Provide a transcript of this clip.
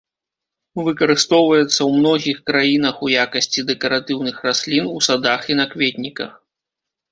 Выкарыстоўваецца ў многіх краінах у якасці дэкаратыўных раслін у садах і на кветніках.